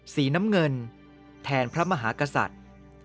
สีน้ำเงินแทนพระมหากษัตริย์